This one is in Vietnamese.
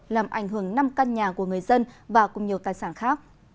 làm ảnh hưởng năm căn nhà của người dân và cùng nhiều tài sản khác